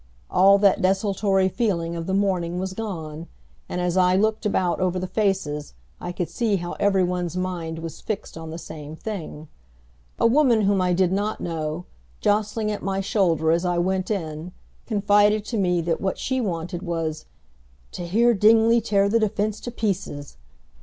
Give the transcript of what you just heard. All that desultory feeling of the morning was gone, and as I looked about over the faces I could see how every one's mind was fixed on the same thing. A woman whom I did not know, jostling at my shoulder as I went in, confided to me that what she wanted was, "To hear Dingley tear the defense to pieces."